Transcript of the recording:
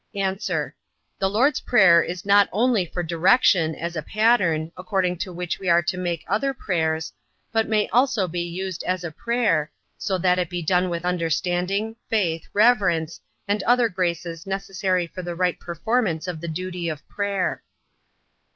A. The Lord's prayer is not only for direction, as a pattern, according to which we are to make other prayers; but may also be used as a prayer, so that it be done with understanding, faith, reverence, and other graces necessary to the right performance of the duty of prayer.